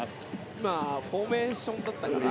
今フォーメーションだったかな。